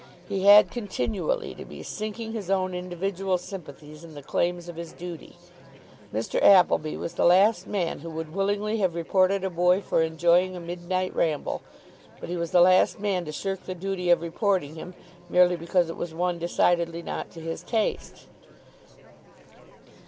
He had continually to be sinking his own individual sympathies in the claims of his duty. Mr. Appleby was the last man who would willingly have reported a boy for enjoying a midnight ramble. But he was the last man to shirk the duty of reporting him, merely because it was one decidedly not to his taste.